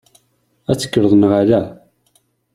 Ad tekkreḍ neɣ ala?